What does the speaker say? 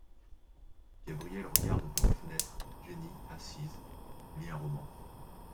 Gabrielle regarde par la fenêtre ; Jenny assise, lit un roman.